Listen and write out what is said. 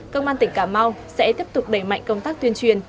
công an tỉnh cà mau sẽ tiếp tục đẩy mạnh công tác tuyên truyền